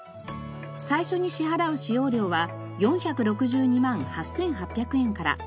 最初に支払う使用料は４６２万８８００円から。